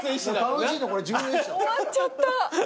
終わっちゃった。